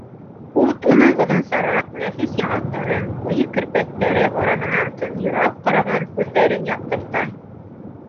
Ут уның оҙонсараҡ нәфис яңаҡтарын, ҡуйы керпектәре араһынан тонйорап ҡараған күҙҙәрен яҡтырта.